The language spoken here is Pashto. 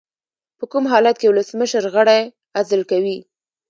په کوم حالت کې ولسمشر غړی عزل کوي؟